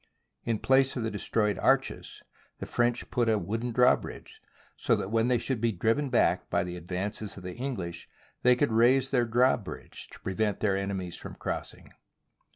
In place of the destroyed arches the French put a wooden drawbridge, so that when they should be driven back by the advances of the English they could raise their drawbridge to pre vent their enemies from crossing.